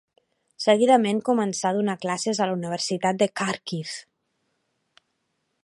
Seguidament, començà a donar classes a la Universitat de Khàrkiv.